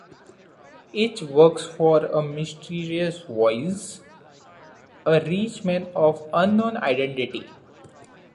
Each works for a mysterious "Voice", a rich man of unknown identity.